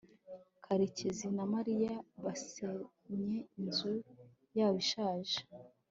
karekezi na mariya basenye inzu yabo ishaje